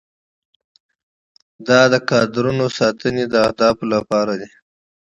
دا د کادرونو ساتنه د اهدافو لپاره ده.